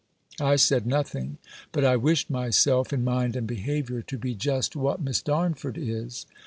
I said nothing. But I wished myself, in mind and behaviour, to be just what Miss Darnford is.